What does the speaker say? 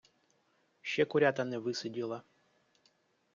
Ще курята не висиділа.